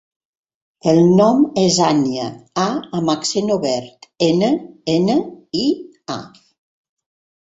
El nom és Ànnia: a amb accent obert, ena, ena, i, a.